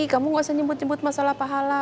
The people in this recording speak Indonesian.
kamu gak usah nyebut nyebut masalah pahala